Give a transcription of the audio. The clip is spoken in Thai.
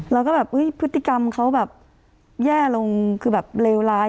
แล้วก็แบบพฤติกรรมเขาแบบแย่ลงคือแบบเลวร้าย